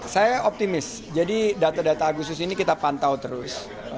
saya optimis jadi data data agustus ini kita pantau terus